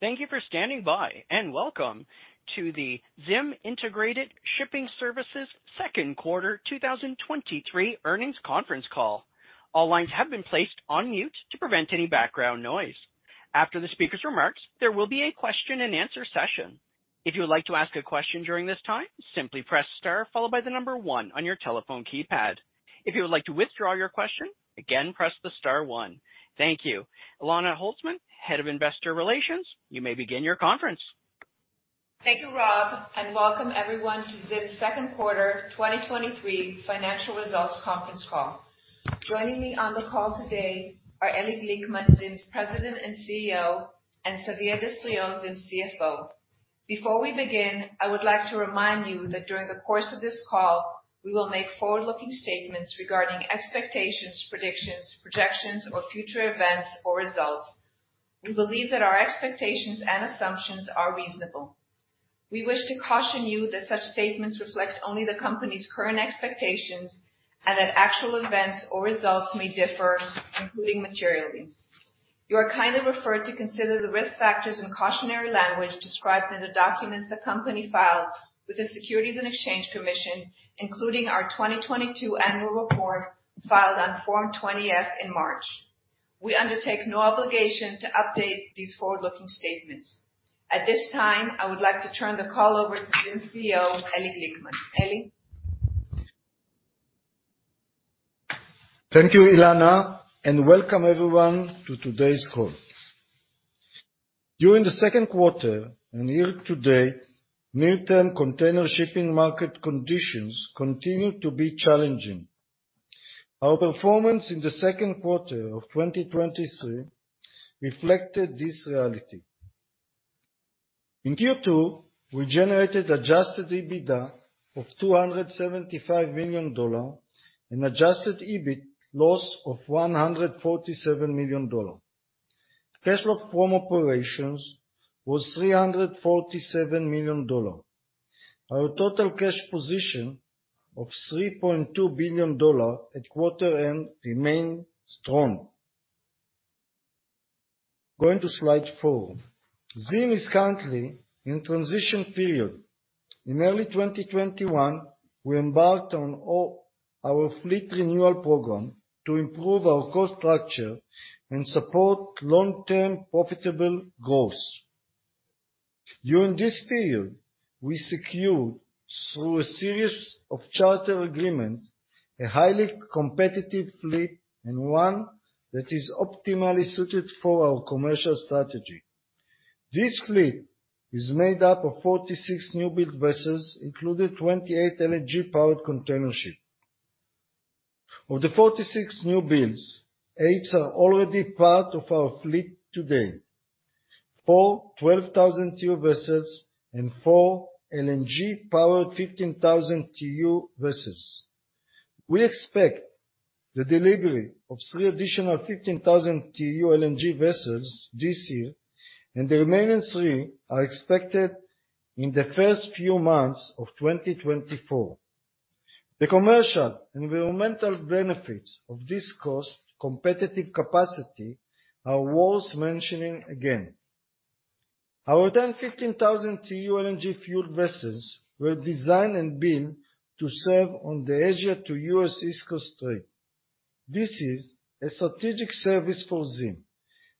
Thank you for standing by, and welcome to the ZIM Integrated Shipping Services second quarter 2023 earnings conference call. All lines have been placed on mute to prevent any background noise. After the speaker's remarks, there will be a question and answer session. If you would like to ask a question during this time, simply press star followed by one on your telephone keypad. If you would like to withdraw your question, again, press the star one. Thank you. Elana Holzman, Head of Investor Relations, you may begin your conference. Thank you, Rob, and welcome everyone to ZIM's second quarter 2023 financial results conference call. Joining me on the call today are Eli Glickman, ZIM's President and CEO, and Xavier Destriau, ZIM's CFO. Before we begin, I would like to remind you that during the course of this call, we will make forward-looking statements regarding expectations, predictions, projections, or future events or results. We believe that our expectations and assumptions are reasonable. We wish to caution you that such statements reflect only the company's current expectations and that actual events or results may differ, including materially. You are kindly referred to consider the risk factors and cautionary language described in the documents the company filed with the Securities and Exchange Commission, including our 2022 annual report, filed on Form 20-F in March. We undertake no obligation to update these forward-looking statements. At this time, I would like to turn the call over to ZIM CEO, Eli Glickman. Eli? Thank you, Elana, and welcome everyone to today's call. During the second quarter and year to date, near-term container shipping market conditions continued to be challenging. Our performance in the second quarter of 2023 reflected this reality. In Q2, we generated Adjusted EBITDA of $275 million and Adjusted EBIT loss of $147 million. Cash flow from operations was $347 million. Our total cash position of $3.2 billion at quarter end remained strong. Going to slide four. ZIM is currently in transition period. In early 2021, we embarked on all our fleet renewal program to improve our cost structure and support long-term profitable growth. During this period, we secured through a series of charter agreements, a highly competitive fleet and one that is optimally suited for our commercial strategy. This fleet is made up of 46 newbuild vessels, including 28 LNG powered container ship. Of the 46 newbuilds, eight are already part of our fleet today: four 12,000 TEU vessels and four LNG powered 15,000 TEU vessels. We expect the delivery of three additional 15,000 TEU LNG vessels this year, and the remaining three are expected in the first few months of 2024. The commercial environmental benefits of this cost competitive capacity are worth mentioning again. Our 10 15,000 TEU LNG fueled vessels were designed and built to serve on the Asia to US East Coast trade. This is a strategic service for ZIM,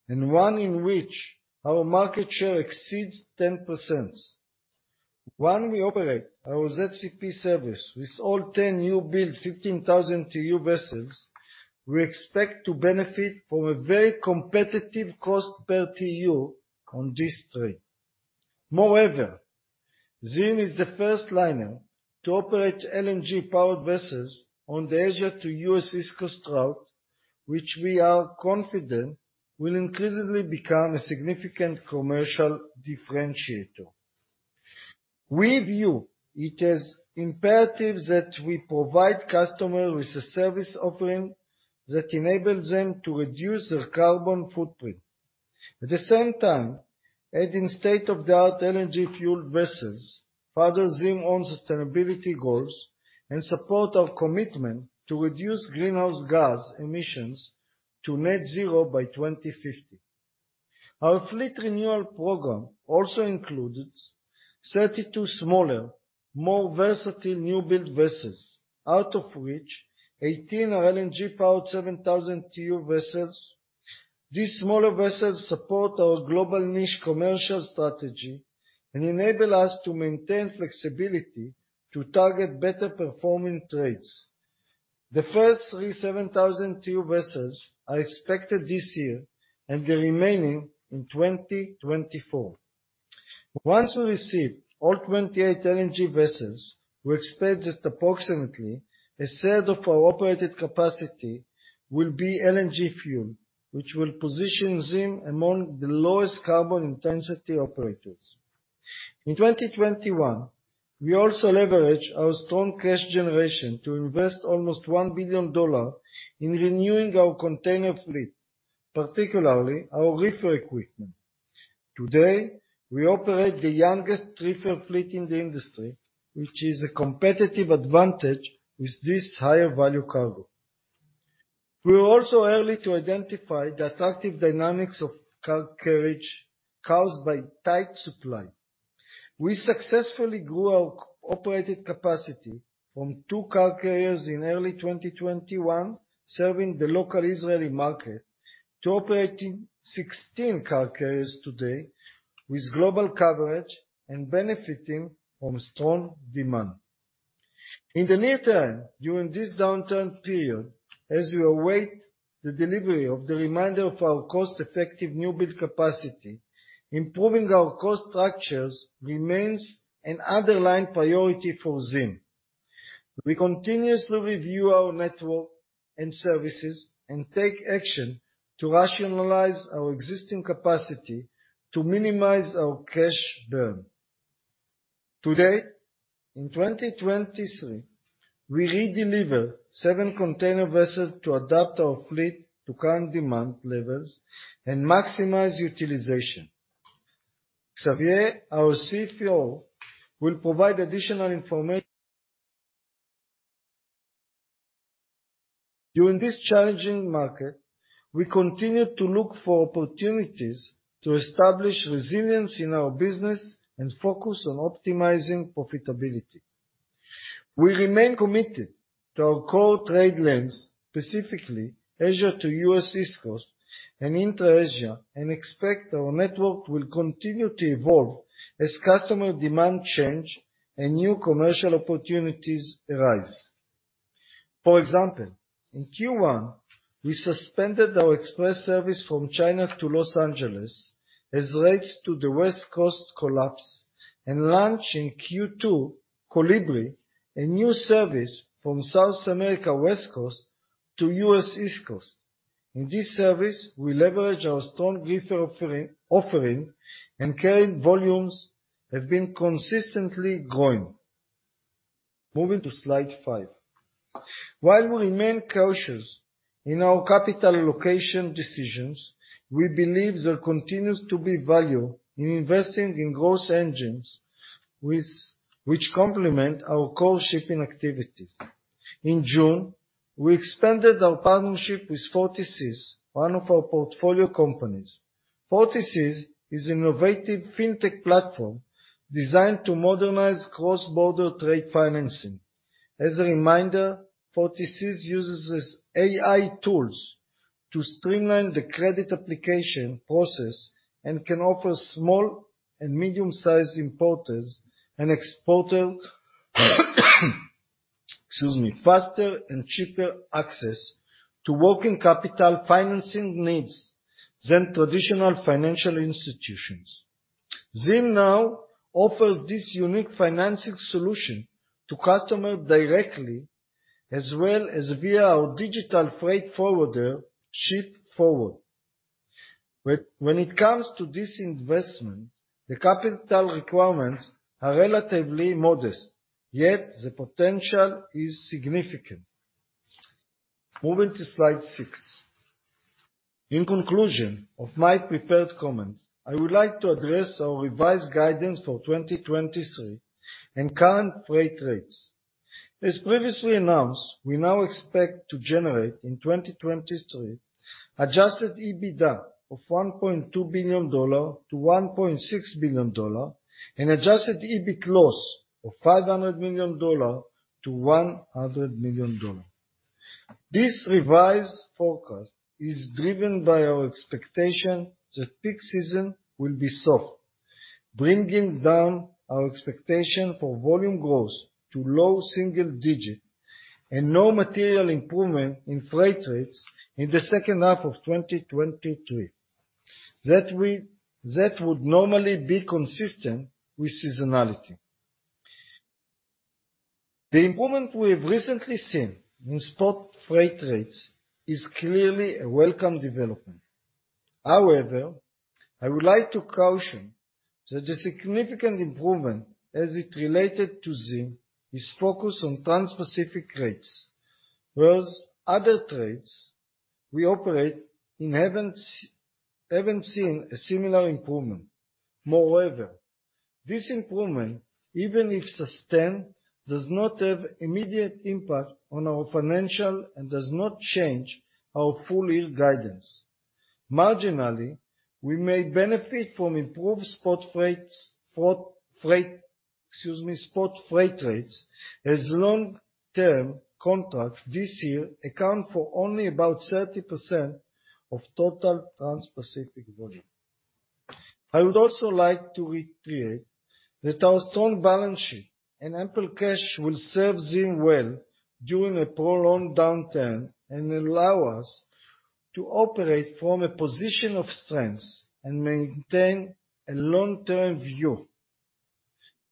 and one in which our market share exceeds 10%. When we operate our ZCP service with all 10 new build 15,000 TEU vessels, we expect to benefit from a very competitive cost per TEU on this trade. Moreover, ZIM is the first liner to operate LNG powered vessels on the Asia to US East Coast route, which we are confident will increasingly become a significant commercial differentiator. We view it as imperative that we provide customers with a service offering that enables them to reduce their carbon footprint. At the same time, adding state-of-the-art LNG fueled vessels further ZIM own sustainability goals and support our commitment to reduce greenhouse gas emissions to net zero by 2050. Our fleet renewal program also includes 32 smaller, more versatile newbuild vessels, out of which 18 are LNG powered 7,000 TEU vessels. These smaller vessels support our global niche commercial strategy and enable us to maintain flexibility to target better performing trades. The first three 7,000 TEU vessels are expected this year and the remaining in 2024. Once we receive all 28 LNG vessels, we expect that approximately a third of our operated capacity will be LNG fuel, which will position ZIM among the lowest carbon intensity operators. In 2021, we also leverage our strong cash generation to invest almost $1 billion in renewing our container fleet, particularly our reefer equipment. Today, we operate the youngest reefer fleet in the industry, which is a competitive advantage with this higher value cargo. We were also early to identify the attractive dynamics of car carriage caused by tight supply. We successfully grew our operated capacity from two car carriers in early 2021, serving the local Israeli market, to operating 16 car carriers today, with global coverage and benefiting from strong demand. In the near term, during this downturn period, as we await the delivery of the remainder of our cost-effective new build capacity, improving our cost structures remains an underlying priority for ZIM. We continuously review our network and services, and take action to rationalize our existing capacity to minimize our cash burn. Today, in 2023, we redeliver seven container vessels to adapt our fleet to current demand levels and maximize utilization. Xavier, our CFO, will provide additional information. During this challenging market, we continue to look for opportunities to establish resilience in our business and focus on optimizing profitability. We remain committed to our core trade lanes, specifically Asia to US East Coast and intra-Asia, and expect our network will continue to evolve as customer demand change and new commercial opportunities arise. For example, in Q1, we suspended our express service from China to Los Angeles as rates to the West Coast collapse and launch in Q2 Colibri, a new service from South America West Coast to US East Coast. In this service, we leverage our strong growth offering, and carrying volumes have been consistently growing. Moving to slide five. While we remain cautious in our capital allocation decisions, we believe there continues to be value in investing in growth engines, which complement our core shipping activities. In June, we expanded our partnership with 40Seas, one of our portfolio companies. 40Seas is innovative FinTech platform designed to modernize cross-border trade financing. As a reminder, 40Seas uses AI tools to streamline the credit application process and can offer small and medium-sized importers and exporters, excuse me, faster and cheaper access to working capital financing needs than traditional financial institutions. ZIM now offers this unique financing solution to customers directly, as well as via our digital freight forwarder, Ship4wd. When it comes to this investment, the capital requirements are relatively modest, yet the potential is significant. Moving to slide six. In conclusion of my prepared comments, I would like to address our revised guidance for 2023 and current freight rates. As previously announced, we now expect to generate in 2023 Adjusted EBITDA of $1.2 billion-$1.6 billion and Adjusted EBIT loss of $500 million-$100 million. This revised forecast is driven by our expectation that peak season will be soft, bringing down our expectation for volume growth to low single-digit and no material improvement in freight rates in the second half of 2023. That would normally be consistent with seasonality. The improvement we have recently seen in spot freight rates is clearly a welcome development. However, I would like to caution that the significant improvement as it related to ZIM, is focused on Transpacific rates, whereas other trades we operate in haven't seen a similar improvement. Moreover, this improvement, even if sustained, does not have immediate impact on our financial and does not change our full year guidance. Marginally, we may benefit from improved spot freight rates as long-term contracts this year account for only about 30% of total Transpacific volume. I would also like to reiterate that our strong balance sheet and ample cash will serve ZIM well during a prolonged downturn, and allow us to operate from a position of strength and maintain a long-term view.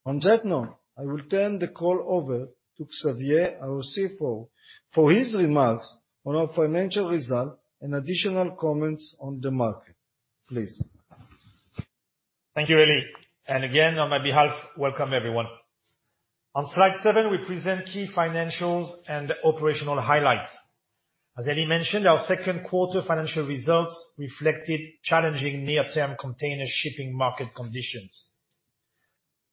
On that note, I will turn the call over to Xavier, our CFO, for his remarks on our financial results and additional comments on the market. Please. Thank you, Eli. Again, on my behalf, welcome everyone. On slide seven, we present key financials and operational highlights. As Eli mentioned, our second quarter financial results reflected challenging near-term container shipping market conditions....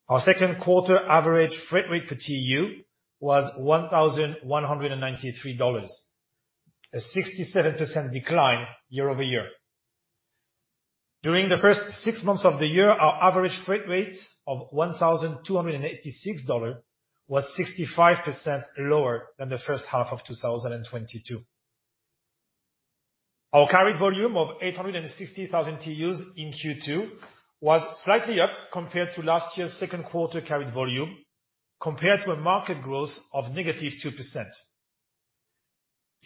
Our second quarter average freight rate per TEU was $1,193, a 67% decline year-over-year. During the first six months of the year, our average freight rates of $1,286 was 65% lower than the first half of 2022. Our carried volume of 860,000 TEUs in Q2 was slightly up compared to last year's second quarter carried volume, compared to a market growth of negative 2%.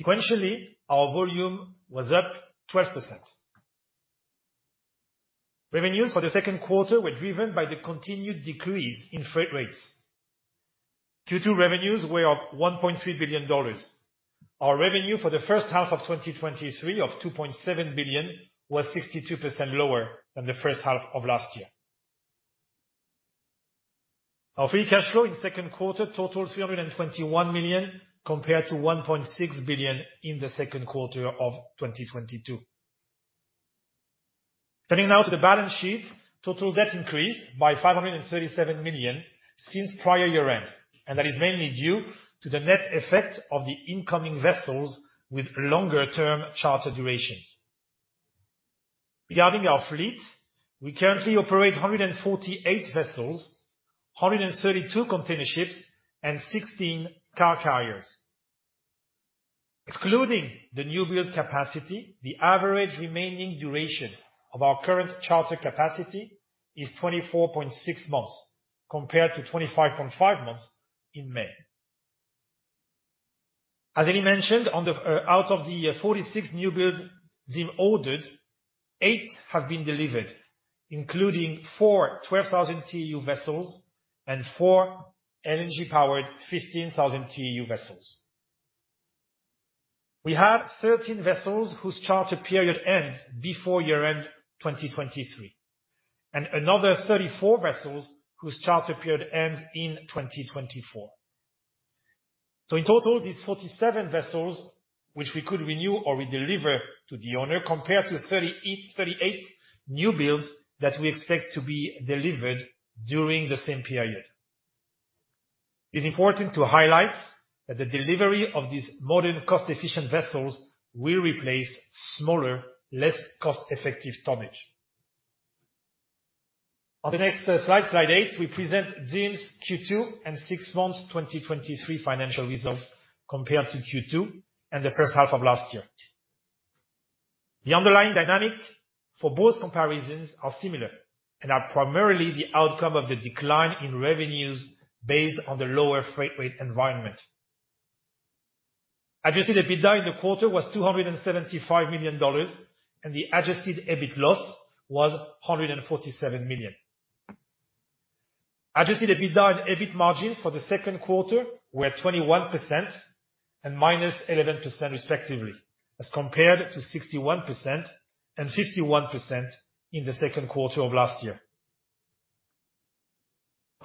Sequentially, our volume was up 12%. Revenues for the second quarter were driven by the continued decrease in freight rates. Q2 revenues were of $1.3 billion. Our revenue for the first half of 2023 of $2.7 billion, was 62% lower than the first half of last year. Our free cash flow in second quarter totaled $321 million, compared to $1.6 billion in the second quarter of 2022. Turning now to the balance sheet, total debt increased by $537 million since prior year-end. That is mainly due to the net effect of the incoming vessels with longer term charter durations. Regarding our fleets, we currently operate 148 vessels, 132 container ships, and 16 car carriers. Excluding the new build capacity, the average remaining duration of our current charter capacity is 24.6 months, compared to 25.5 months in May. As I mentioned, on the out of the 46 newbuild ZIM ordered, eight have been delivered, including four 12,000 TEU vessels and four LNG powered 15,000 TEU vessels. We have 13 vessels whose charter period ends before year-end 2023, and another 34 vessels whose charter period ends in 2024. In total, these 47 vessels, which we could renew or redeliver to the owner, compared to 38, 38 newbuilds that we expect to be delivered during the same period. It's important to highlight that the delivery of these modern, cost-efficient vessels will replace smaller, less cost-effective tonnage. On the next slide, slide eight, we present ZIM's Q2 and six months, 2023 financial results compared to Q2 and the first half of last year. The underlying dynamic for both comparisons are similar and are primarily the outcome of the decline in revenues based on the lower freight rate environment. Adjusted EBITDA in the quarter was $275 million, and the adjusted EBIT loss was $147 million. Adjusted EBITDA and EBIT margins for the second quarter were 21% and -11% respectively, as compared to 61% and 51% in the second quarter of last year.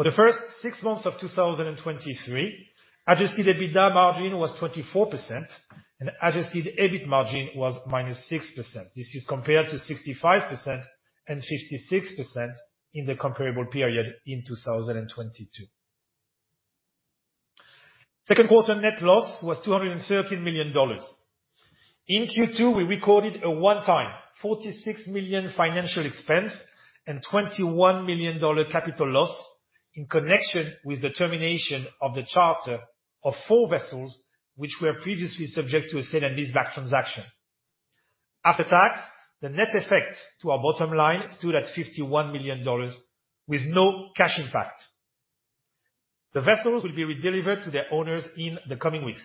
For the first six months of 2023, Adjusted EBITDA margin was 24% and Adjusted EBIT margin was -6%. This is compared to 65% and 56% in the comparable period in 2022. Second quarter net loss was $213 million. In Q2, we recorded a one-time $46 million financial expense and $21 million capital loss in connection with the termination of the charter of four vessels, which were previously subject to a sale and leaseback transaction. After tax, the net effect to our bottom line stood at $51 million with no cash impact. The vessels will be redelivered to their owners in the coming weeks.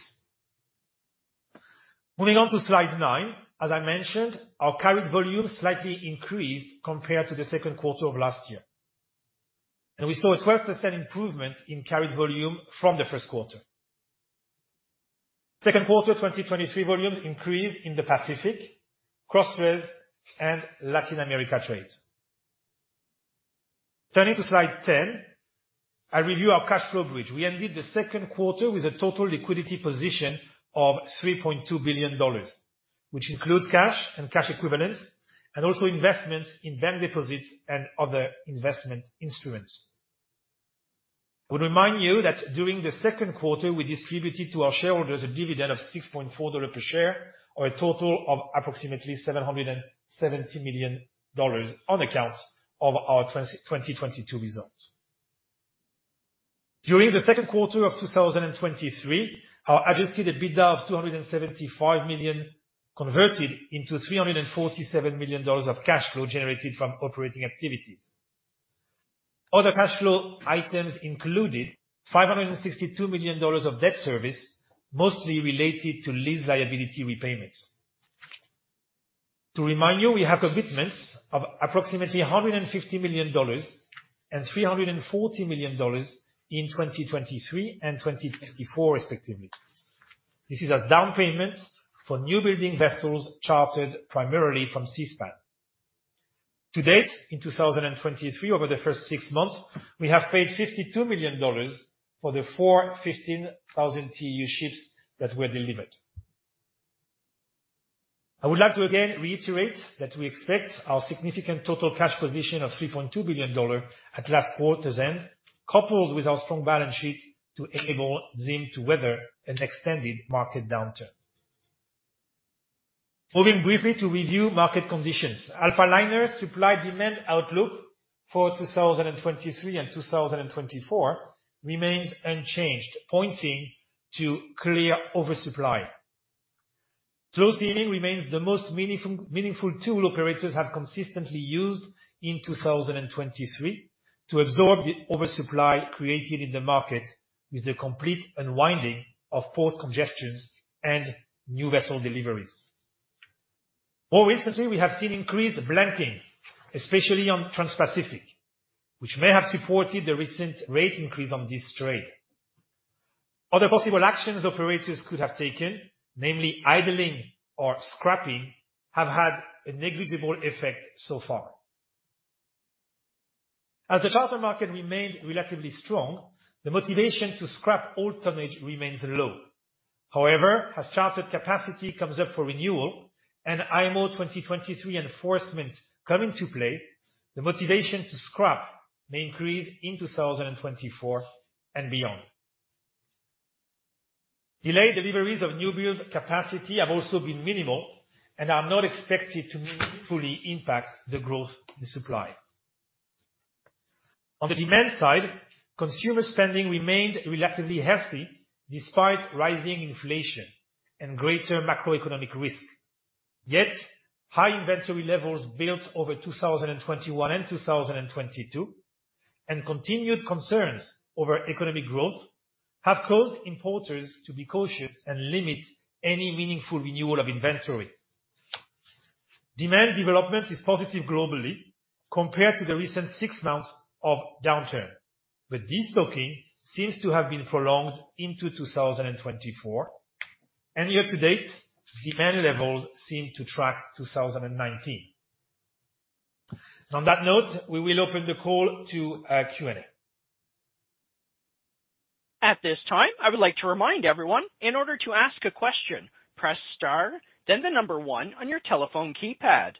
Moving on to slide nine. As I mentioned, our carried volume slightly increased compared to the 2nd quarter of last year, we saw a 12% improvement in carried volume from the 1st quarter. 2nd quarter 2023 volumes increased in the Pacific, Cross-Suez and Latin America trades. Turning to slide 10, I review our cash flow bridge. We ended the 2nd quarter with a total liquidity position of $3.2 billion, which includes cash and cash equivalents, also investments in bank deposits and other investment instruments. I would remind you that during the 2nd quarter, we distributed to our shareholders a dividend of $6.4 per share, or a total of approximately $770 million on account of our 2022 results. During the second quarter of 2023, our Adjusted EBITDA of $275 million converted into $347 million of cash flow generated from operating activities. Other cash flow items included $562 million of debt service, mostly related to lease liability repayments. To remind you, we have commitments of approximately $150 million and $340 million in 2023 and 2024, respectively. This is a down payment for newbuilding vessels chartered primarily from Seaspan. To date, in 2023, over the first six months, we have paid $52 million for the four 15,000 TEU ships that were delivered.... I would like to again reiterate that we expect our significant total cash position of $3.2 billion at last quarter's end, coupled with our strong balance sheet, to enable ZIM to weather an extended market downturn. Moving briefly to review market conditions. Alphaliner's supply-demand outlook for 2023 and 2024 remains unchanged, pointing to clear oversupply. Slow steaming remains the most meaningful, meaningful tool operators have consistently used in 2023 to absorb the oversupply created in the market, with the complete unwinding of port congestions and new vessel deliveries. More recently, we have seen increased blanking, especially on Transpacific, which may have supported the recent rate increase on this trade. Other possible actions operators could have taken, namely idling or scrapping, have had a negligible effect so far. As the charter market remained relatively strong, the motivation to scrap all tonnage remains low. However, as chartered capacity comes up for renewal and IMO 2023 enforcement come into play, the motivation to scrap may increase in 2024 and beyond. Delayed deliveries of newbuild capacity have also been minimal and are not expected to meaningfully impact the growth in supply. On the demand side, consumer spending remained relatively healthy despite rising inflation and greater macroeconomic risk. Yet, high inventory levels built over 2021 and 2022, and continued concerns over economic growth, have caused importers to be cautious and limit any meaningful renewal of inventory. Demand development is positive globally compared to the recent six months of downturn, but this booking seems to have been prolonged into 2024, and year to date, demand levels seem to track 2019. On that note, we will open the call to Q&A. At this time, I would like to remind everyone, in order to ask a question, press Star, then the one on your telephone keypad.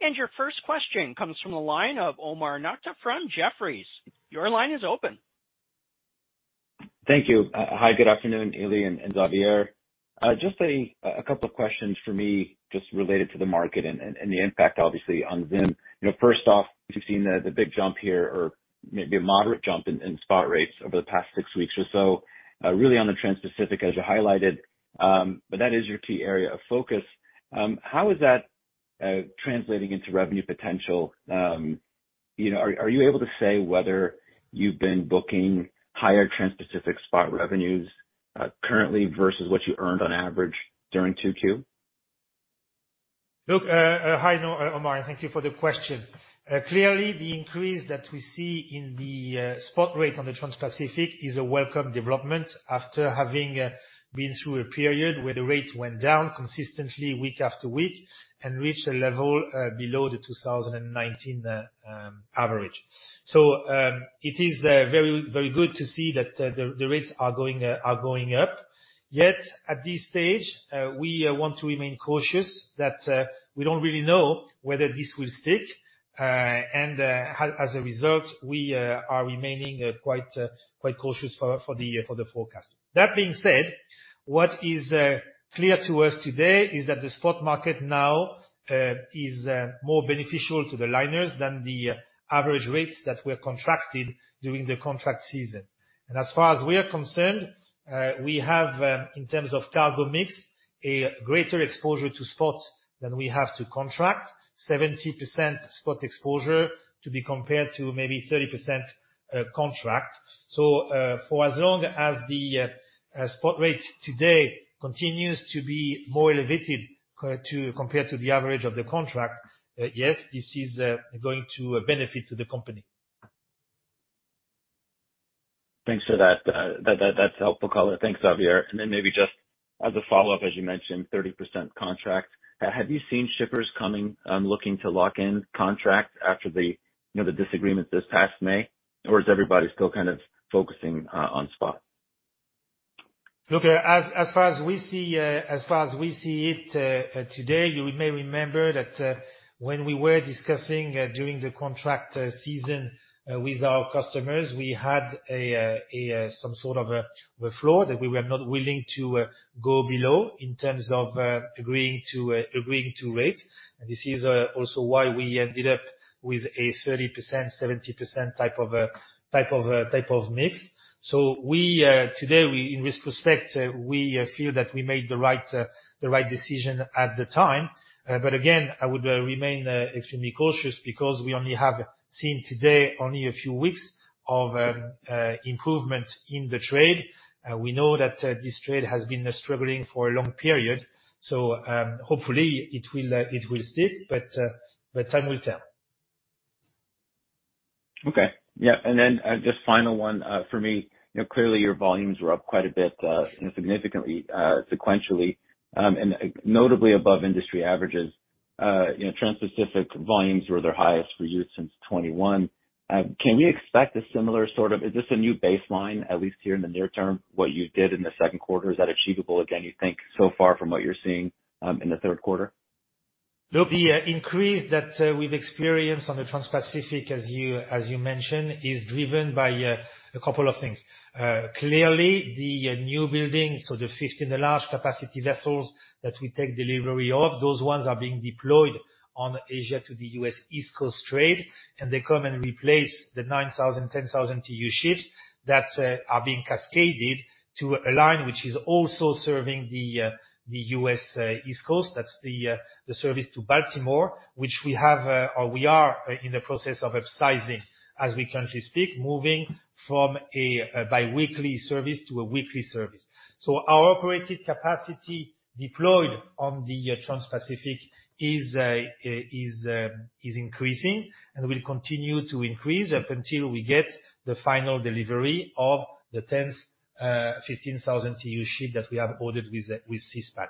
Your first question comes from the line of Omar Nokta from Jefferies. Your line is open. Thank you. Hi, good afternoon, Eli and Xavier. Just a couple of questions for me, just related to the market and the impact, obviously, on ZIM. You know, first off, we've seen the big jump here, or maybe a moderate jump in spot rates over the past six weeks or so, really on the Transpacific, as you highlighted. That is your key area of focus. How is that translating into revenue potential? You know, are you able to say whether you've been booking higher Transpacific spot revenues, currently versus what you earned on average during 2Q? Look, hi, Omar. Thank you for the question. Clearly, the increase that we see in the spot rate on the Transpacific is a welcome development after having been through a period where the rates went down consistently, week after week, and reached a level below the 2019 average. It is very, very good to see that the rates are going up. Yet, at this stage, we want to remain cautious that we don't really know whether this will stick. As a result, we are remaining quite cautious for the forecast. That being said, what is clear to us today is that the spot market now is more beneficial to the liners than the average rates that were contracted during the contract season. As far as we are concerned, we have in terms of cargo mix, a greater exposure to spot than we have to contract. 70% spot exposure to be compared to maybe 30% contract. For as long as the spot rate today continues to be more elevated compared to the average of the contract, yes, this is going to benefit to the company. Thanks for that. That, that, that's helpful color. Thanks, Xavier. Then maybe just as a follow-up, as you mentioned, 30% contract. Have you seen shippers coming, looking to lock in contracts after the, you know, the disagreement this past May? Is everybody still kind of focusing on spot? Look, as, as far as we see, as far as we see it, today, you may remember that when we were discussing during the contract season with our customers, we had a, a, some sort of a, a floor, that we were not willing to go below in terms of agreeing to agreeing to rates. This is also why we ended up with a 30%, 70% type of, type of, type of mix. We, today, we in retrospect, we feel that we made the right, the right decision at the time. Again, I would remain extremely cautious, because we only have seen today only a few weeks of improvement in the trade. We know that this trade has been struggling for a long period, so hopefully it will, it will stick, but time will tell. Okay. Yeah. Then, just final one, for me. You know, clearly, your volumes were up quite a bit, you know, significantly, sequentially, and notably above industry averages.... You know, Transpacific volumes were their highest for you since 2021. Can we expect a similar sort of-- Is this a new baseline, at least here in the near term, what you did in the 2Q, is that achievable again, you think, so far from what you're seeing, in the 3Q? Look, the increase that we've experienced on the Transpacific, as you, as you mentioned, is driven by a couple of things. Clearly, the newbuilding, so the 15, the large capacity vessels that we take delivery of, those ones are being deployed on Asia to the US East Coast trade. They come and replace the 9,000, 10,000 TEU ships that are being cascaded to a line which is also serving the US East Coast. That's the service to Baltimore, which we have, or we are in the process of upsizing, as we currently speak, moving from a biweekly service to a weekly service. Our operated capacity deployed on the Transpacific is increasing and will continue to increase up until we get the final delivery of the 10th 15,000 TEU ship that we have ordered with Seaspan.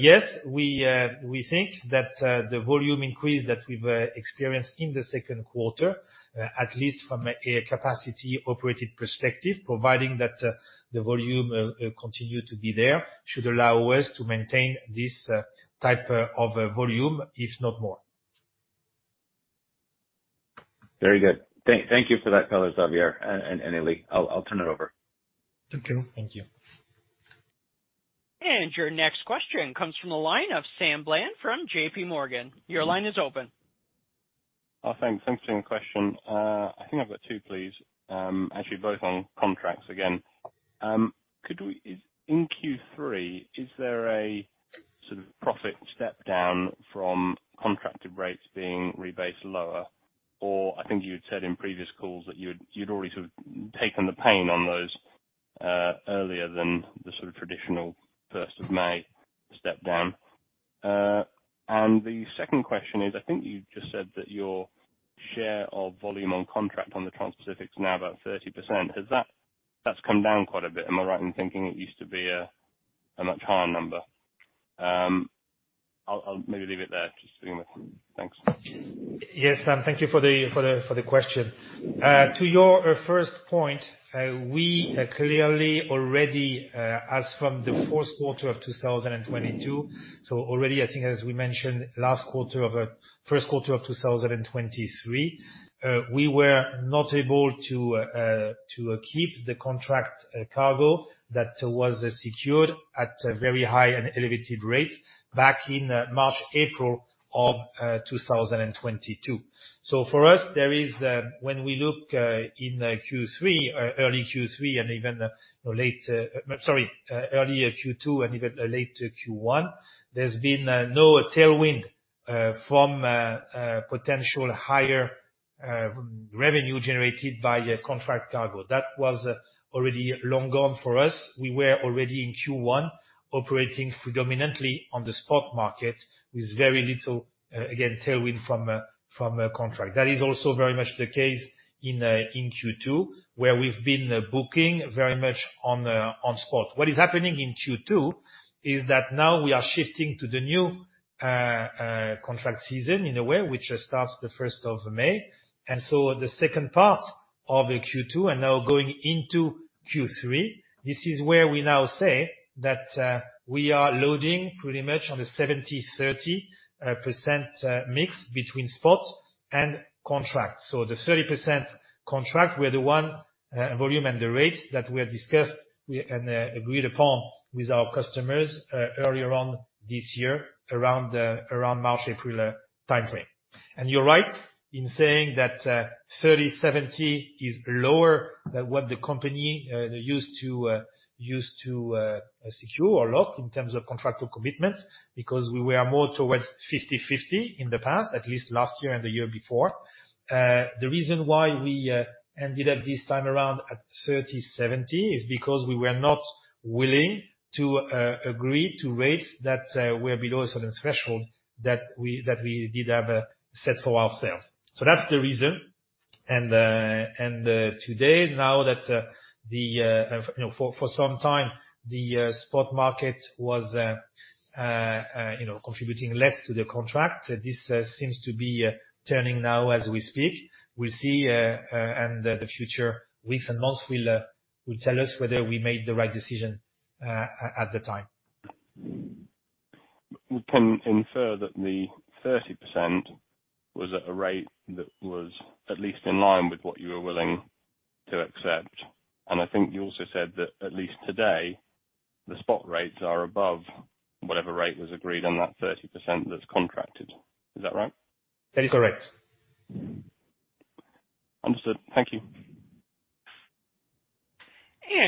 Yes, we think that the volume increase that we've experienced in the second quarter, at least from a capacity operated perspective, providing that the volume continue to be there, should allow us to maintain this type of volume, if not more. Very good. Thank you for that color, Xavier, and Eli. I'll turn it over. Thank you. Thank you. Your next question comes from the line of Samuel Bland from JP Morgan. Your line is open. Thanks. Thanks for the question. I think I've got two, please. Actually, both on contracts again. Is, in Q3, is there a sort of profit step down from contracted rates being rebased lower? Or I think you had said in previous calls that you had, you'd already sort of taken the pain on those earlier than the sort of traditional first of May step down. The second question is, I think you just said that your share of volume on contract on the Transpacific is now about 30%. Has that... That's come down quite a bit. Am I right in thinking it used to be a, a much higher number? I'll, I'll maybe leave it there, just seeing the... Thanks. Yes, Sam, thank you for the, for the, for the question. To your first point, we clearly already, as from the fourth quarter of 2022, so already, I think as we mentioned, last quarter of first quarter of 2023, we were not able to keep the contract cargo that was secured at a very high and elevated rate back in March, April of 2022. For us, there is, when we look in Q3, early Q3, and even late... Sorry, early Q2 and even late Q1, there's been no tailwind from potential higher revenue generated by a contract cargo. That was already long gone for us. We were already in Q1, operating predominantly on the spot market with very little, again, tailwind from a, from a contract. That is also very much the case in Q2, where we've been booking very much on the, on spot. What is happening in Q2, is that now we are shifting to the new contract season, in a way, which starts the 1st of May. The second part of Q2, and now going into Q3, this is where we now say that we are loading pretty much on a 70/30% mix between spot and contract. So the 30% contract where the one volume and the rates that we have discussed we, and agreed upon with our customers earlier on this year, around the around March, April timeframe. You're right in saying that, 30/70 is lower than what the company used to, used to, secure or lock in terms of contractual commitment, because we were more towards 50/50 in the past, at least last year and the year before. The reason why we ended up this time around at 30/70, is because we were not willing to agree to rates that were below a certain threshold that we, that we did have, set for ourselves. That's the reason. Today, now that the, you know, for, for some time, the spot market was, you know, contributing less to the contract, this seems to be turning now as we speak. We'll see. The future weeks and months will tell us whether we made the right decision at the time. We can infer that the 30% was at a rate that was at least in line with what you were willing to accept. I think you also said that at least today, the spot rates are above whatever rate was agreed on that 30% that's contracted. Is that right? That is correct. Understood. Thank you.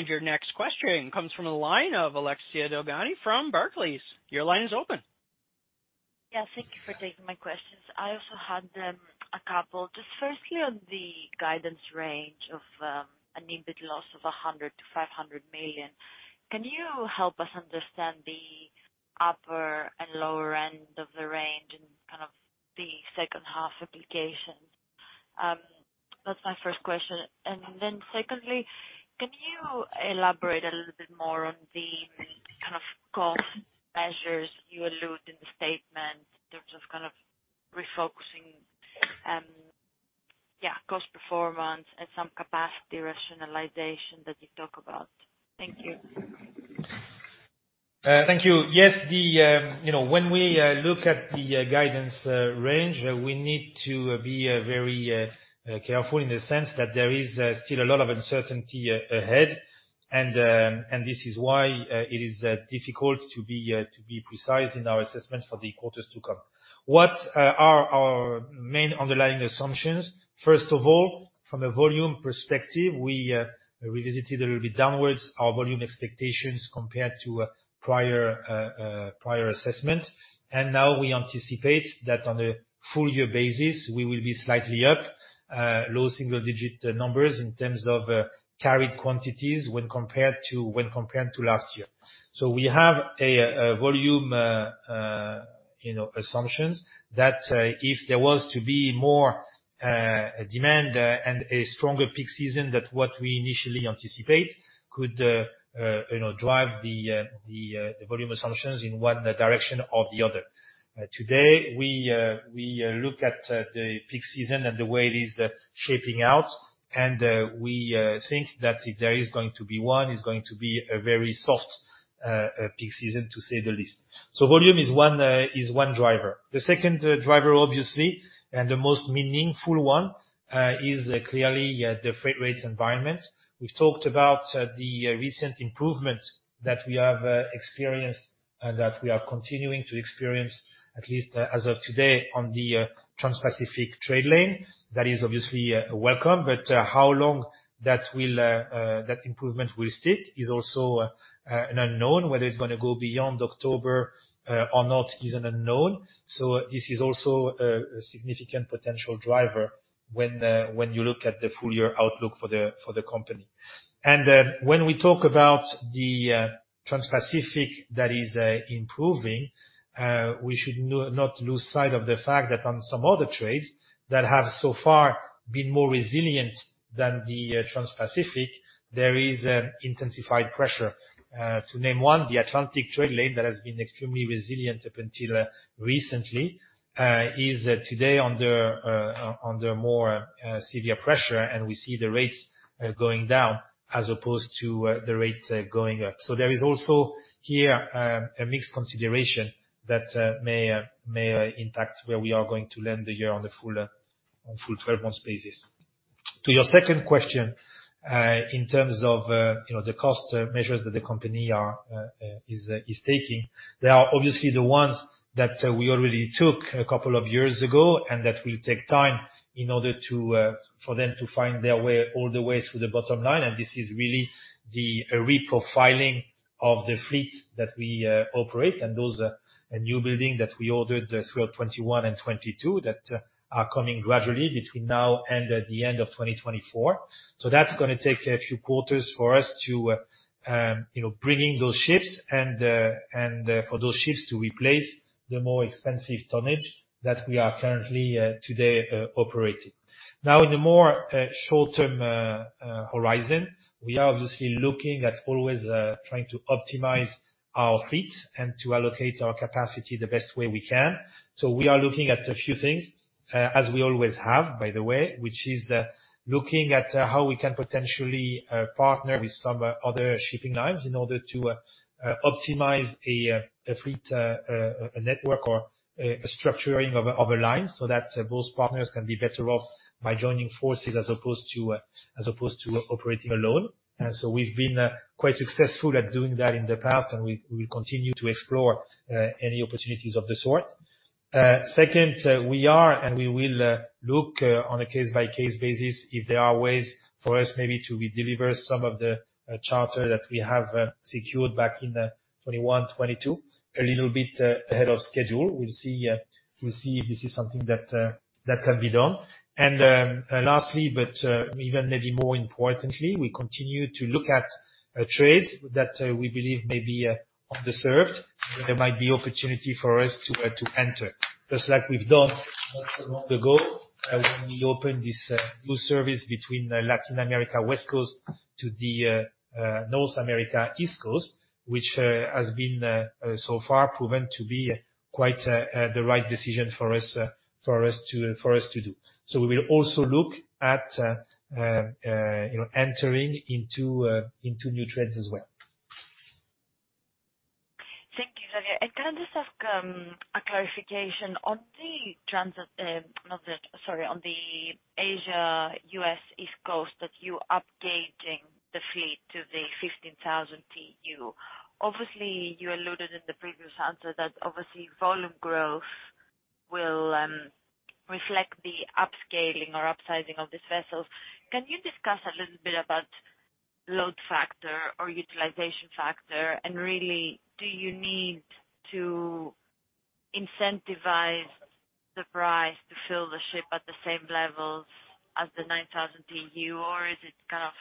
Your next question comes from the line of Alexia Dogani from Barclays. Your line is open. Yes, thank you for taking my questions. I also had a couple. Just firstly, on the guidance range of an EBIT loss of $100 million-$500 million, can you help us understand the upper and lower end of the range?... the second half implications. That's my first question. Secondly, can you elaborate a little bit more on the kind of cost measures you allude in the statement in terms of kind of refocusing, yeah, cost performance and some capacity rationalization that you talk about? Thank you. Thank you. Yes, the, you know, when we look at the guidance range, we need to be very careful in the sense that there is still a lot of uncertainty ahead. This is why it is difficult to be precise in our assessment for the quarters to come. What are our main underlying assumptions? First of all, from a volume perspective, we revisited a little bit downwards our volume expectations compared to prior prior assessment. Now we anticipate that on a full year basis, we will be slightly up, low single digit numbers in terms of carried quantities when compared to, when compared to last year. We have a volume, you know, assumptions that if there was to be more demand and a stronger peak season than what we initially anticipate could, you know, drive the the the volume assumptions in one direction or the other. Today, we we look at the peak season and the way it is shaping out, and we we think that if there is going to be one, it's going to be a very soft peak season, to say the least. Volume is one is one driver. The second driver, obviously, and the most meaningful one, is clearly the freight rates environment. We've talked about the recent improvement that we have experienced and that we are continuing to experience, at least as of today, on the Transpacific trade lane. That is obviously welcome, but how long that will that improvement will stick is also an unknown. Whether it's gonna go beyond October or not is an unknown. This is also a significant potential driver when you look at the full year outlook for the company. When we talk about the Transpacific that is improving, we should not lose sight of the fact that on some other trades that have so far been more resilient than the Transpacific, there is an intensified pressure. To name one, the Atlantic trade lane that has been extremely resilient up until recently, is today under under more severe pressure, and we see the rates going down as opposed to the rates going up. There is also here a mixed consideration that may may impact where we are going to land the year on the full on full 12 months basis. To your second question, in terms of, you know, the cost measures that the company is taking, they are obviously the ones that we already took a couple of years ago, and that will take time in order for them to find their way all the way through the bottom line, and this is really the reprofiling of the fleet that we operate, and those newbuilding that we ordered throughout 2021 and 2022, that are coming gradually between now and the end of 2024. So that's gonna take a few quarters for us to, you know, bring in those ships and, for those ships to replace the more expensive tonnage that we are currently today operating. Now, in a more short-term horizon, we are obviously looking at always trying to optimize our fleet and to allocate our capacity the best way we can. We are looking at a few things, as we always have, by the way, which is looking at how we can potentially partner with some other shipping lines in order to optimize a fleet network or a structuring of a line, so that both partners can be better off by joining forces as opposed to as opposed to operating alone. We've been quite successful at doing that in the past, and we will continue to explore any opportunities of the sort. Second, we are and we will look on a case-by-case basis, if there are ways for us maybe to redeliver some of the charter that we have secured back in 2021, 2022, a little bit ahead of schedule. We'll see, we'll see if this is something that can be done. Lastly, but even maybe more importantly, we continue to look at trades that we believe may be underserved, where there might be opportunity for us to enter, just like we've done not so long ago, when we opened this new service between the Latin America West Coast to the North America East Coast, which has been so far proven to be quite the right decision for us to do. We will also look at, you know, entering into new trades as well. Thank you, Xavier. Can I just ask a clarification on the transit, not the... Sorry, on the Asia-US East Coast, that you're upgauging the fleet to the 15,000 TEU. Obviously, you alluded in the previous answer that obviously, volume growth will reflect the upscaling or upsizing of these vessels. Can you discuss a little bit about load factor or utilization factor? And really, do you need to incentivize the price to fill the ship at the same levels as the 9,000 TEU, or is it kind of...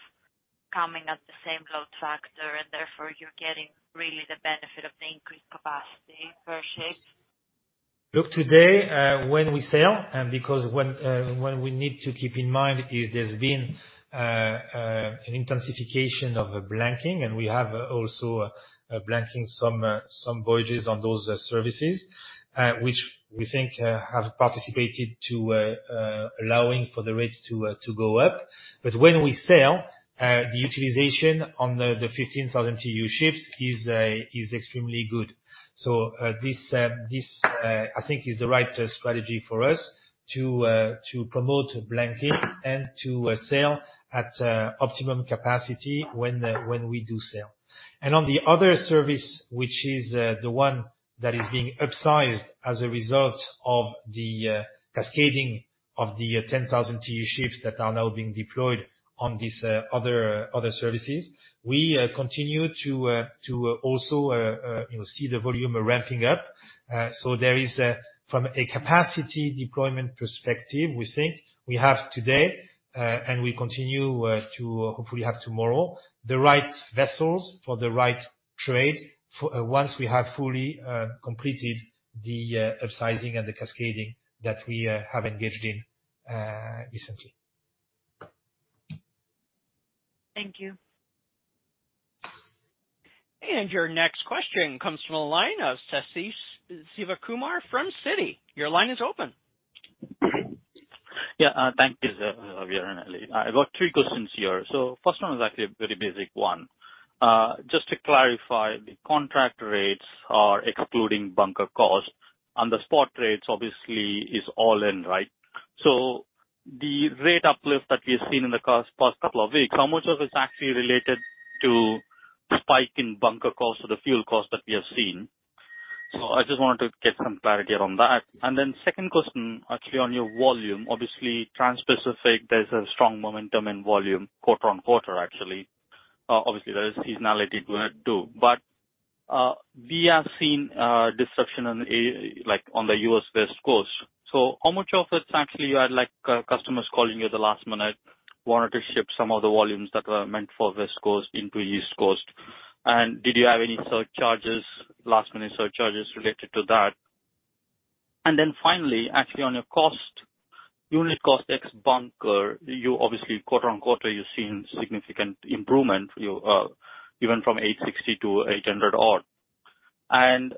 same load factor, and therefore you're getting really the benefit of the increased capacity per ships? Look, today, when we sail, and because when we need to keep in mind is there's been an intensification of blanking, and we have also blanking some some voyages on those services, which we think have participated to allowing for the rates to to go up. When we sail, the utilization on the, the 15,000 TEU ships is, is extremely good. This, this, I think is the right strategy for us to to promote blanking and to sail at optimum capacity when when we do sail. On the other service, which is, the one that is being upsized as a result of the cascading of the 10,000 TEU ships that are now being deployed on these other, other services, we continue to to also, you know, see the volume ramping up. There is, from a capacity deployment perspective, we think we have today, and we continue to hopefully have tomorrow, the right vessels for the right trade, once we have fully completed the upsizing and the cascading that we have engaged in recently. Thank you. Your next question comes from the line of Sathish Sivakumar from Citi. Your line is open. Yeah, thank you, Xavier and Eli. I've got three questions here. First one is actually a very basic one. Just to clarify, the contract rates are excluding bunker costs, and the spot rates obviously is all in, right? The rate uplift that we've seen in the past couple of weeks, how much of it's actually related to spike in bunker costs or the fuel costs that we have seen? I just wanted to get some clarity on that. Then second question, actually, on your volume. Obviously, Transpacific, there's a strong momentum in volume quarter-on-quarter, actually. Obviously, there is seasonality to it, too. We have seen disruption like on the US West Coast. How much of it's actually you had, like, customers calling you at the last minute, wanted to ship some of the volumes that were meant for West Coast into East Coast? Did you have any surcharges, last minute surcharges related to that? Then finally, actually on your cost, unit cost ex bunker, you obviously quarter-on-quarter, you've seen significant improvement. You, you went from $860 to $800 odd.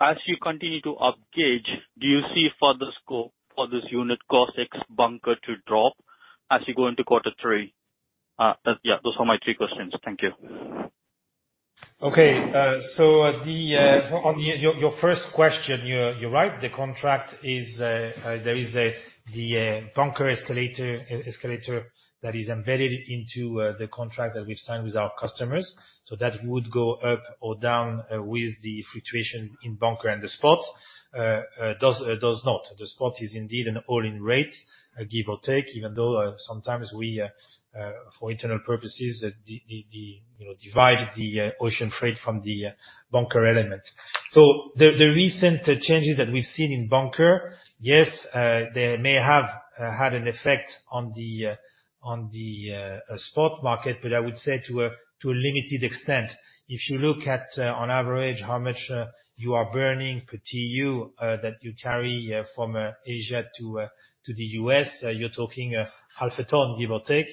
As you continue to upgauge, do you see further scope for this unit cost ex bunker to drop as you go into Q3? Yeah, those are my three questions. Thank you. Okay. The on your, your first question, you're, you're right. The contract is, there is a, the bunker escalator, escalator that is embedded into the contract that we've signed with our customers. That would go up or down with the fluctuation in bunker and the spot. Does not. The spot is indeed an all-in rate, give or take, even though sometimes we, for internal purposes, the, you know, divide the ocean freight from the bunker element. The, the recent changes that we've seen in bunker, yes, they may have had an effect on the on the spot market, but I would say to a, to a limited extent. If you look at, on average, how much you are burning per TEU, that you carry, from Asia to the US, you're talking half a ton, give or take.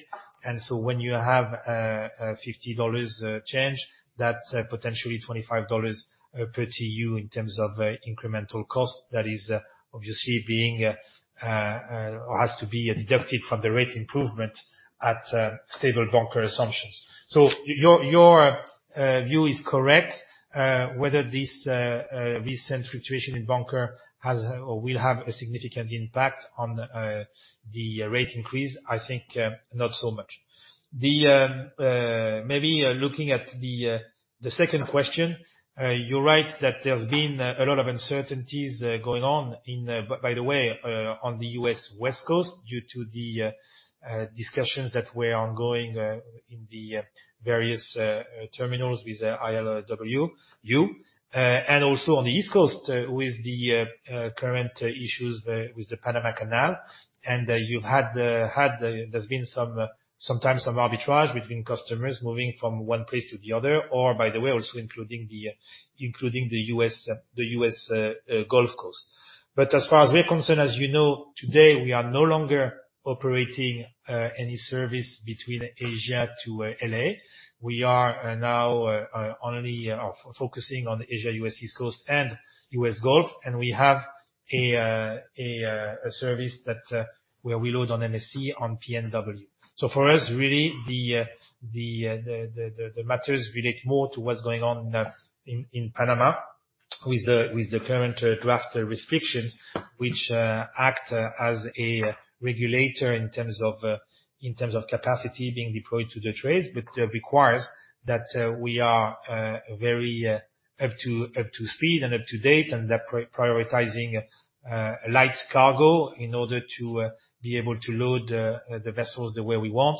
When you have $50 change, that's potentially $25 per TEU in terms of incremental cost, that is obviously being or has to be deducted from the rate improvement at stable bunker assumptions. Your view is correct. Whether this recent fluctuation in bunker has, or will have a significant impact on the rate increase, I think, not so much. Maybe looking at the second question, you're right that there's been a lot of uncertainties going on in, by the way, on the US West Coast, due to the discussions that were ongoing in the various terminals with the ILWU. Also on the East Coast, with the current issues with the Panama Canal. There's been some, sometimes some arbitrage between customers moving from one place to the other, or by the way, also including the US, the US Gulf Coast. As far as we're concerned, as you know, today, we are no longer operating any service between Asia to L.A. We are now only focusing on Asia, US East Coast and US Gulf, and we have a service that where we load on MSC, on PNW. For us, really, the matters relate more to what's going on in Panama with the current draft restrictions, which act as a regulator in terms of capacity being deployed to the trades, but requires that we are very up to speed and up to date, and that prioritizing light cargo in order to be able to load the vessels the way we want.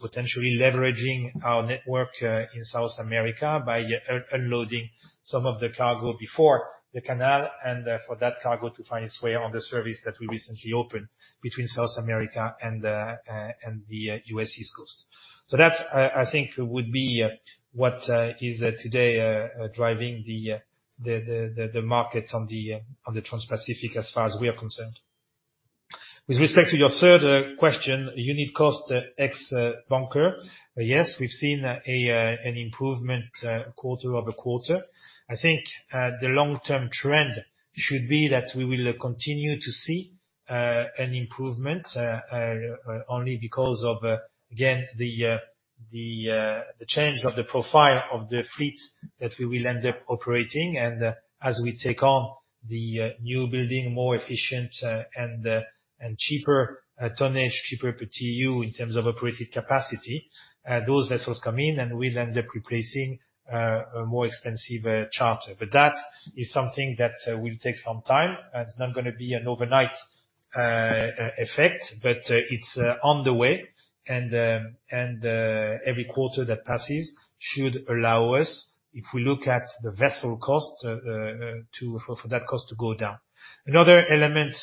Potentially leveraging our network in South America by unloading some of the cargo before the canal, and for that cargo to find its way on the service that we recently opened between South America and the US East Coast. That's, I think, would be what is today driving the the the markets on the Transpacific, as far as we are concerned. With respect to your third question, unit cost ex bunker. Yes, we've seen an improvement quarter-over-quarter. I think, the long-term trend should be that we will continue to see an improvement only because of again, the the the change of the profile of the fleet that we will end up operating. As we take on the newbuilding, more efficient, and cheaper tonnage, cheaper per TEU in terms of operated capacity, those vessels come in, and we'll end up replacing a more expensive charter. That is something that will take some time, and it's not gonna be an overnight effect, but it's on the way. Every quarter that passes should allow us, if we look at the vessel cost, to, for, for that cost to go down. Another element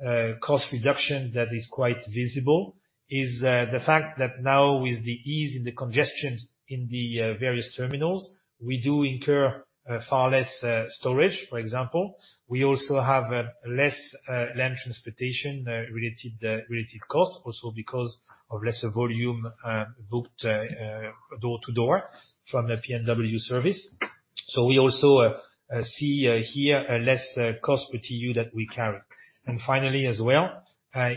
of cost reduction that is quite visible is the fact that now with the ease in the congestions in the various terminals, we do incur far less storage, for example. We also have less land transportation related related costs, also because of lesser volume booked door-to-door from a PNW service. We also see here a less cost per TEU that we carry. Finally, as well,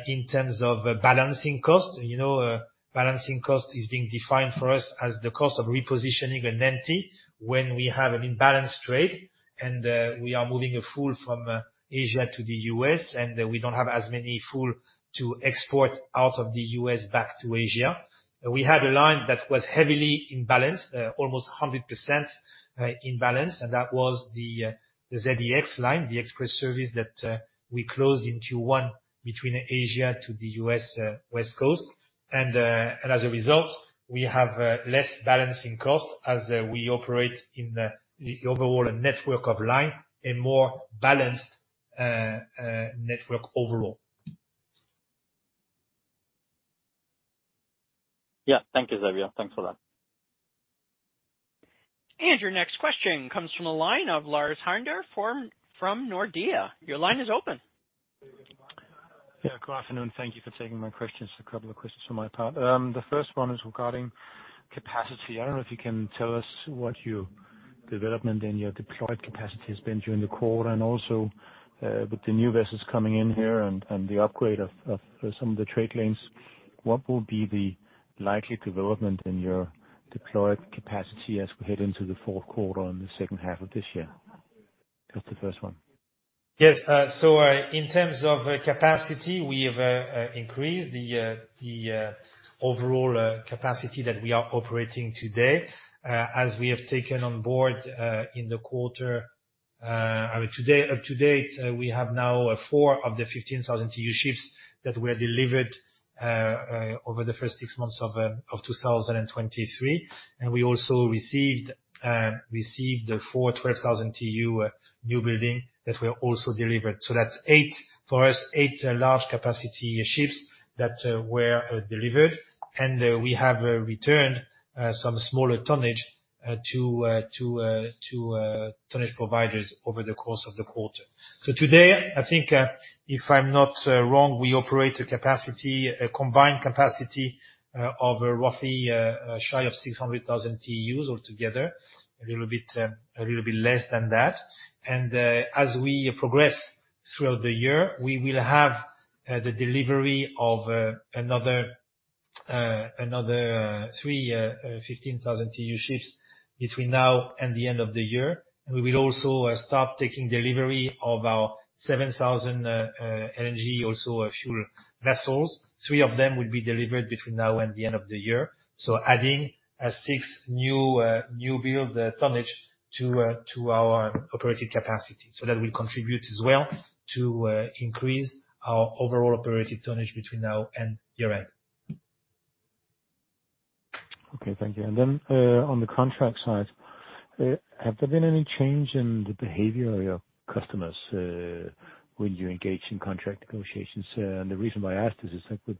in terms of balancing cost, you know, balancing cost is being defined for us as the cost of repositioning an empty when we have an imbalanced trade, and we are moving a full from Asia to the US, and we don't have as many full to export out of the US back to Asia. We had a line that was heavily imbalanced, almost 100% imbalanced, and that was the ZEX line, the express service that we closed into one between Asia to the US West Coast. As a result, we have less balancing costs as we operate in the overall network of line, a more balanced network overall. Yeah. Thank you, Xavier. Thanks for that. Your next question comes from the line of Lars Heindorff from Nordea. Your line is open. Yeah, good afternoon. Thank you for taking my questions. A couple of questions on my part. The first one is regarding capacity. I don't know if you can tell us what you development in your deployed capacity has been during the quarter, and also, with the new vessels coming in here and, and the upgrade of, of some of the trade lanes, what will be the likely development in your deployed capacity as we head into the fourth quarter and the second half of this year? That's the first one. Yes. In terms of capacity, we have increased the overall capacity that we are operating today. As we have taken on board, in the quarter, I mean, today, up to date, we have now four of the 15,000 TEU ships that were delivered over the first six months of 2023. We also received, received the four 12,000 TEU newbuilding that were also delivered. That's eight for us, eight large capacity ships that were delivered. We have returned some smaller tonnage to to to tonnage providers over the course of the quarter. Today, I think, if I'm not wrong, we operate a capacity, a combined capacity, of roughly, shy of 600,000 TEUs altogether, a little bit, a little bit less than that. As we progress throughout the year, we will have the delivery of another, another three, 15,000 TEU ships between now and the end of the year. We will also start taking delivery of our 7,000 LNG, also a fuel vessels. Three of them will be delivered between now and the end of the year. Adding a 6 new newbuild tonnage to our operating capacity. That will contribute as well to increase our overall operating tonnage between now and year end. Okay, thank you. On the contract side, have there been any change in the behavior of your customers when you engage in contract negotiations? The reason why I ask this is I would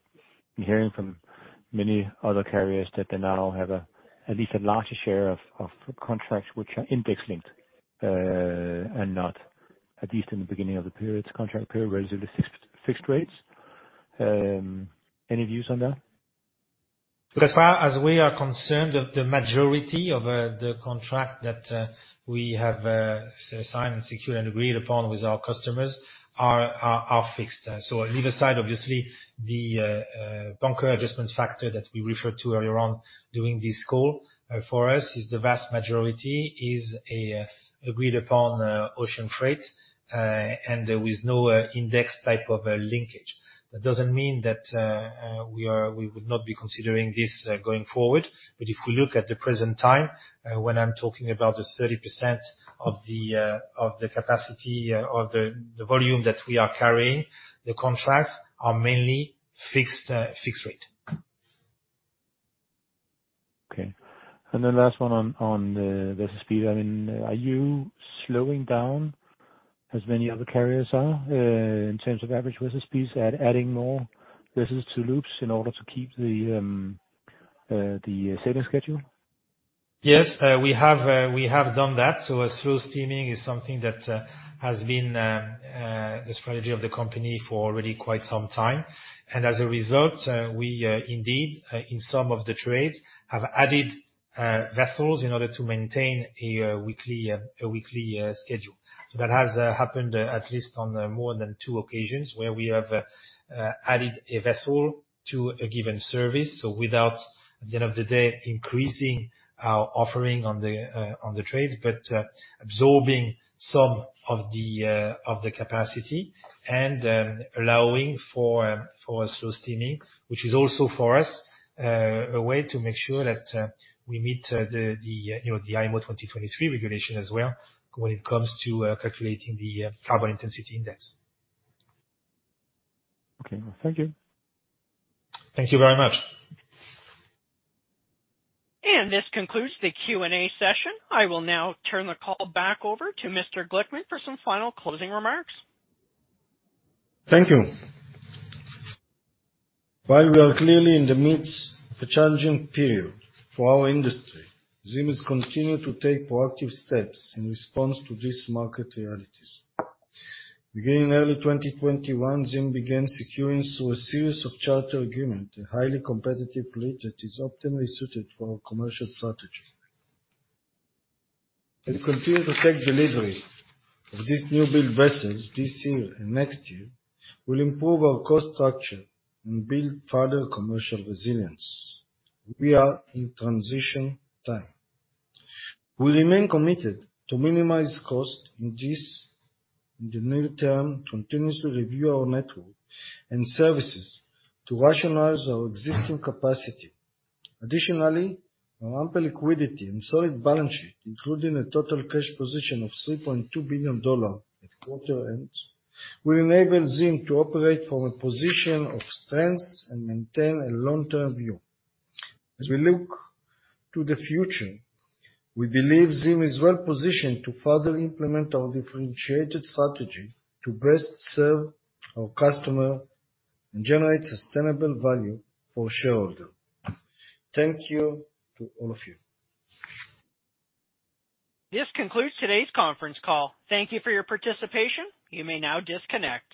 been hearing from many other carriers that they now have a, at least a larger share of contracts which are index-linked and not at least in the beginning of the period, contract period, where is the fixed rates. Any views on that? As far as we are concerned, the, the majority of the contract that we have signed and secured and agreed upon with our customers are, are, are fixed. Leave aside, obviously, the Bunker Adjustment Factor that we referred to earlier on during this call, for us is the vast majority is a agreed upon ocean freight and with no index type of linkage. That doesn't mean that we would not be considering this going forward. If we look at the present time, when I'm talking about the 30% of the of the capacity or the, the volume that we are carrying, the contracts are mainly fixed, fixed rate. Okay. Then last one on, on the vessel speed. I mean, are you slowing down as many other carriers are in terms of average vessel speeds, adding more vessels to loops in order to keep the sailing schedule? Yes, we have, we have done that. Slow steaming is something that has been the strategy of the company for already quite some time. As a result, we, indeed, in some of the trades, have added vessels in order to maintain a weekly schedule. That has happened at least on more than two occasions, where we have added a vessel to a given service. Without, at the end of the day, increasing our offering on the trades, but absorbing some of the capacity and allowing for slow steaming. Which is also, for us, a way to make sure that, we meet, the, the, you know, the IMO 2023 regulation as well, when it comes to, calculating the, Carbon Intensity Indicator. Okay, thank you. Thank you very much. This concludes the Q&A session. I will now turn the call back over to Mr. Glickman for some final closing remarks. Thank you. While we are clearly in the midst of a challenging period for our industry, ZIM has continued to take proactive steps in response to these market realities. Beginning in early 2021, ZIM began securing through a series of charter agreement, a highly competitive fleet that is optimally suited for our commercial strategy. As we continue to take delivery of these new build vessels this year and next year, we'll improve our cost structure and build further commercial resilience. We are in transition time. We remain committed to minimize cost in this, in the near term, continuously review our network and services to rationalize our existing capacity. Additionally, our ample liquidity and solid balance sheet, including a total cash position of $3.2 billion at quarter end, will enable ZIM to operate from a position of strength and maintain a long-term view. As we look to the future, we believe ZIM is well positioned to further implement our differentiated strategy to best serve our customer and generate sustainable value for shareholders. Thank you to all of you. This concludes today's conference call. Thank you for your participation. You may now disconnect.